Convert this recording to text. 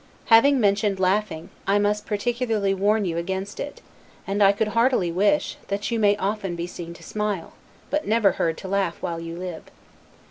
Having mentioned laughing, I must particularly warn you against it: and I could heartily wish, that you may often be seen to smile, but never heard to laugh while you live.